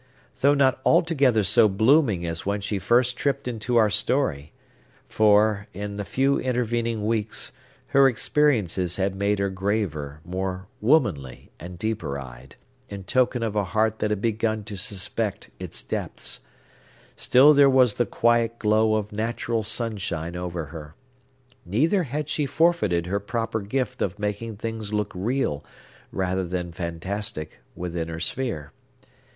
Though not altogether so blooming as when she first tripped into our story,—for, in the few intervening weeks, her experiences had made her graver, more womanly, and deeper eyed, in token of a heart that had begun to suspect its depths,—still there was the quiet glow of natural sunshine over her. Neither had she forfeited her proper gift of making things look real, rather than fantastic, within her sphere.